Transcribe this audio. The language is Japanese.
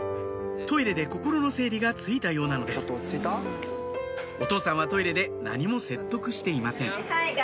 トイレで心の整理がついたようなのですお父さんはトイレで何も説得していません